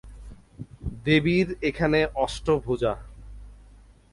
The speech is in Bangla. দেবীর এখানে অস্টভুজা।